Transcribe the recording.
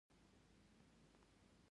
که زما دا منې، پر همدې حالت سم دي.